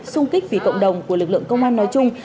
xung kích vì cộng đồng của lực lượng công an nói chung